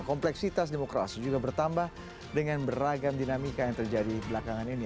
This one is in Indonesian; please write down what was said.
kompleksitas demokrasi juga bertambah dengan beragam dinamika yang terjadi belakangan ini